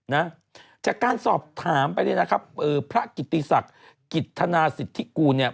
นะจากการสอบถามไปเนี่ยนะครับเอ่อพระกิติศักดิ์กิจธนาสิทธิกูลเนี่ย